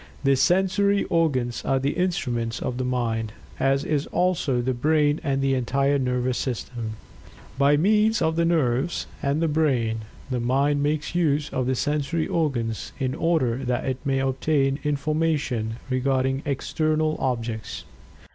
The sensory organs are the instruments of the Mind, as is also the brain and the entire nervous system. By means of the nerves, and the brain, the Mind makes use of the sensory organs in order that it may obtain information regarding external objects.